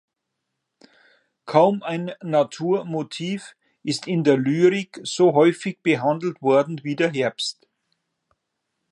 Kaum ein Natur-Motiv ist in der Lyrik so häufig behandelt worden wie der Herbst.